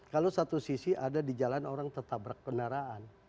kalau satu sisi ada di jalan orang tertabrak kendaraan